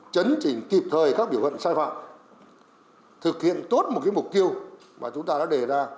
chấn trình kịp thời các biểu hiện sai phạm thực hiện tốt một mục tiêu mà chúng ta đã đề ra